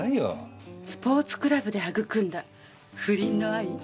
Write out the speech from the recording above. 「スポーツクラブで育んだ不倫の愛」？